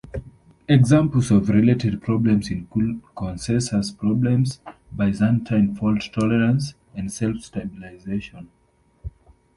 Examples of related problems include consensus problems, Byzantine fault tolerance, and self-stabilisation.